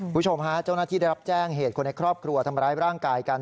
คุณผู้ชมฮะเจ้าหน้าที่ได้รับแจ้งเหตุคนในครอบครัวทำร้ายร่างกายกัน